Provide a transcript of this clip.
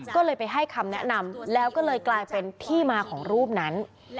ก็เลยไปให้คำแนะนำแล้วก็เลยกลายเป็นที่มาของรูปนั้น